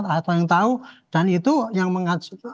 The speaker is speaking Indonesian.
atau yang tahu dan itu yang mengatur